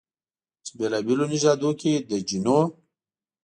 چې بېلابېلو نژادونو کې د جینونو